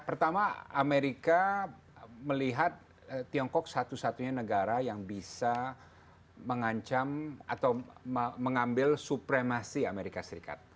pertama amerika melihat tiongkok satu satunya negara yang bisa mengancam atau mengambil supremasi amerika serikat